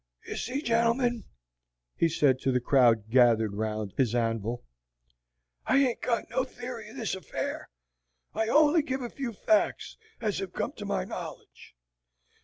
"You see, gentlemen," he said to the crowd gathered around his anvil, "I ain't got no theory of this affair, I only give a few facts as have come to my knowledge.